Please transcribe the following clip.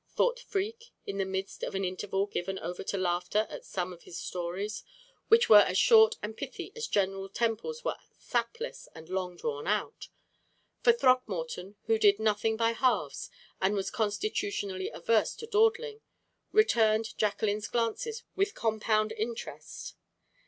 thought Freke, in the midst of an interval given over to laughter at some of his stories, which were as short and pithy as General Temple's were sapless and long drawn out; for Throckmorton, who did nothing by halves, and was constitutionally averse to dawdling, returned Jacqueline's glances with compound interest.